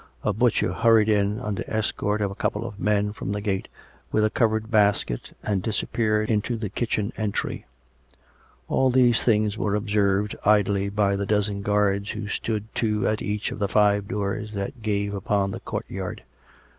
A butcher hurried in, under escort of a 330 COME RACK! COME ROPE! couple of men from the gate, with a covered basket and disappeared into the kitchen entry. All these things were observed idly by the dozen guards who stood two at each of the five doors that gave upon the courtyard.